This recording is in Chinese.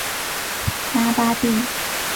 拉巴蒂。